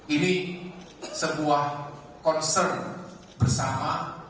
ini sebuah concern bersama